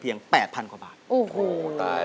เพื่อจะไปชิงรางวัลเงินล้าน